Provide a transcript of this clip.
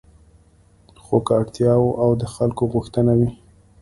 خو که اړتیا او د خلکو غوښتنه وي